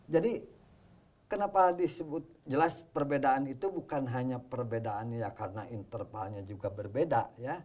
jadi kenapa disebut jelas perbedaan itu bukan hanya perbedaannya karena intervalnya juga berbeda